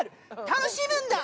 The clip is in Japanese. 楽しむんだ！